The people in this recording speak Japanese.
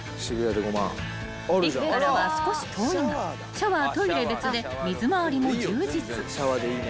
［駅からは少し遠いがシャワートイレ別で水回りも充実］